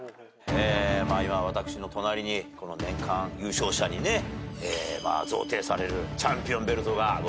今私の隣に年間優勝者にね贈呈されるチャンピオンベルトがございますけれども。